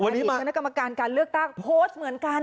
วันที่เฉพาะกำกันการเลือกต้างมาพูดเหมือนกัน